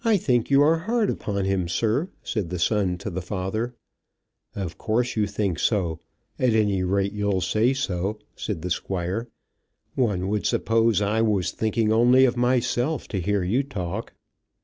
"I think you are hard upon him, sir," said the son to the father. "Of course you think so. At any rate you'll say so," said the Squire. "One would suppose I was thinking only of myself to hear you talk."